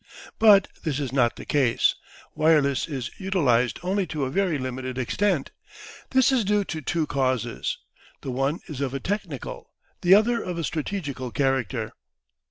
But this is not the case. Wireless is utilised only to a very limited extent. This is due to two causes. The one is of a technical, the other of a strategical character.